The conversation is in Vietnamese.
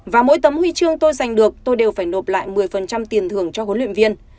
và mỗi tấm huy chương tôi giành được tôi đều phải nộp lại một mươi tiền thưởng cho huấn luyện viên